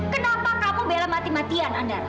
kenapa kamu bela mati matian anda